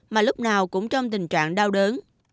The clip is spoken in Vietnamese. mà lúc nào cũng trong tình trạng đau đớn